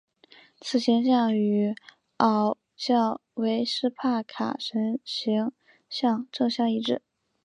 此形象与祆教维施帕卡神形像正相一致。